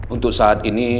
untuk saat ini